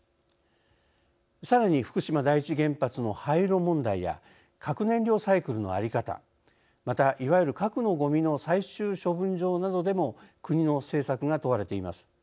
さらに福島第一原発の廃炉問題や核燃料サイクルの在り方また、いわゆる核のゴミの最終処分場などでも国の政策が問われています。